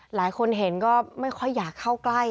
หลายคนเห็นก็ไม่ค่อยอยากเข้าใกล้